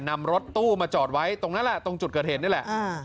นำรถตู้มาจอดไว้ตรงนั้นแหละตรงจุดเกิดเหตุนี่แหละ